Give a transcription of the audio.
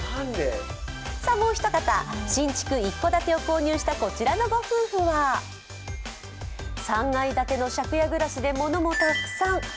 もう一方、新築一戸建てを購入したこちらのご夫婦は３階建ての借家暮らしでものもたくさん。